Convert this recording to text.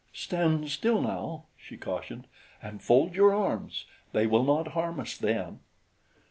"Stand still now," she cautioned, "and fold your arms. They will not harm us then."